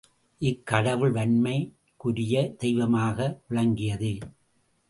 இக்கடவுள் வன்மைக் குரிய தெய்வமாக விளங்கியது.